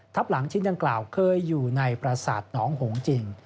หลังชิ้นดังกล่าวเคยอยู่ในประสาทหนองหงจริง